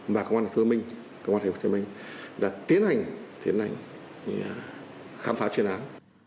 và công an thành phố hồ chí minh công an thành phố hồ chí minh đã tiến hành tiến hành khám phá chuyên án